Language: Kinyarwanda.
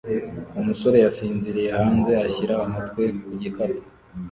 Umusore yasinziriye hanze ashyira umutwe ku gikapu